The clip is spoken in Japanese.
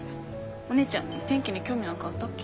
お姉ちゃん天気に興味なんかあったっけ？